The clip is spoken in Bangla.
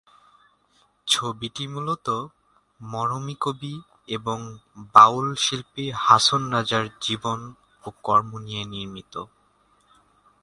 ছবিটি মূলত মরমী কবি এবং বাউল শিল্পী হাছন রাজার জীবন ও কর্ম নিয়ে নির্মিত।